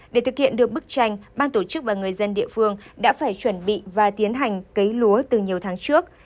để thực hiện được bức tranh ban tổ chức và người dân địa phương đã phải chuẩn bị và tiến hành cấy lúa từ nhiều tháng trước